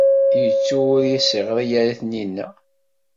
Yettu ur as-yeɣri ara i Taninna.